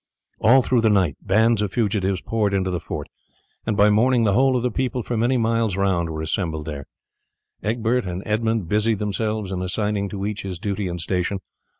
All through the night bands of fugitives poured into the fort, and by morning the whole of the people for many miles round were assembled there. Egbert and Edmund busied themselves in assigning to each his duty and station.